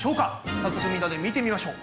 早速みんなで見てみましょう。